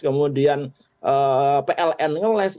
kemudian pln nge list